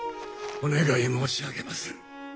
お願い申し上げまする！